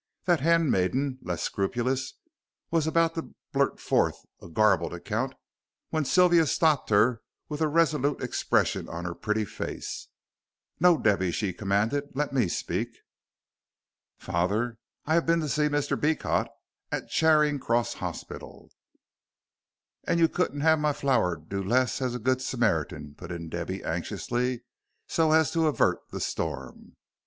That handmaiden, less scrupulous, was about to blurt forth a garbled account, when Sylvia stopped her with a resolute expression on her pretty face. "No, Debby," she commanded, "let me speak. Father, I have been to see Mr. Beecot at the Charing Cross Hospital." "And you couldn't have my flower do less as a good Smart 'un," put in Debby, anxiously, so as to avert the storm.